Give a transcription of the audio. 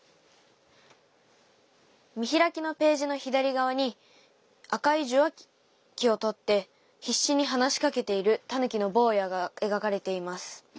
見開きのページの左側に赤い受話器を取って必死に話しかけているタヌキの坊やが描かれています。